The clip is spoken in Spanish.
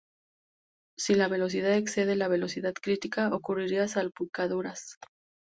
Si la velocidad excede la velocidad crítica, ocurrirán salpicaduras.